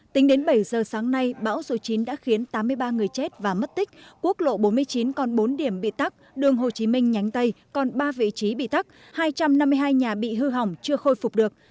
tính đến bảy giờ sáng nay bão số chín đã khiến tám mươi ba người chết và mất tích quốc lộ bốn mươi chín còn bốn điểm bị tắt đường hồ chí minh nhánh tây còn ba vị trí bị tắt hai trăm năm mươi hai nhà bị hư hỏng chưa khôi phục được